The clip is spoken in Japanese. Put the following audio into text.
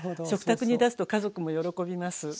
食卓に出すと家族も喜びます。